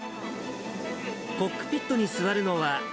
コックピットに座るのは。